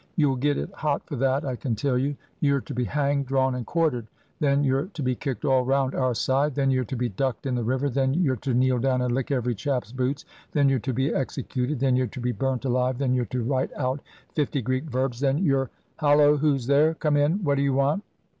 You'll get it hot for that, I can tell you. You're to be hanged, drawn, and quartered; then you're to be kicked all round our side; then you're to be ducked in the river; then you're to kneel down and lick every chap's boots; then you're to be executed; then you're to be burnt alive; then you're to write out fifty Greek verbs; then you're Hallo, who's there? Come in! what do you want?"